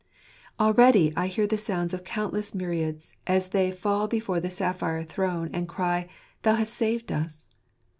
Already I hear the sound of countless myriads, as they fall before the sapphire throne, and cry, " Thou hast saved us